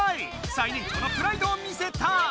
最年長のプライドを見せた！